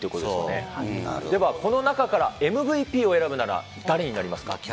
ではこの中からＭＶＰを選ぶなら誰になりますか？